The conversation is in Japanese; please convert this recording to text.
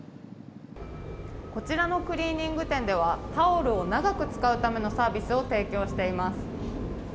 こちらのクリーニング店では、タオルを長く使うためのサービスを提供しています。